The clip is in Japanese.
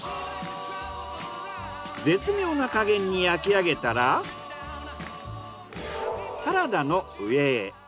絶妙な加減に焼き上げたらサラダの上へ。